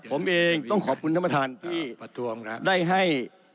ผมเองต้องขอบคุณท่านประธานที่ได้ให้